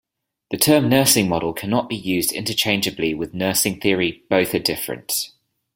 The term nursing model cannot be used interchangeably with nursing theory both are different.